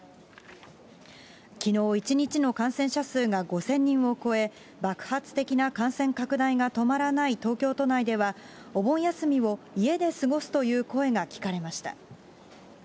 きのう１日の感染者数が５０００人を超え、爆発的な感染拡大が止まらない東京都内では、お盆休みを家で過ごすという声が聞かれました。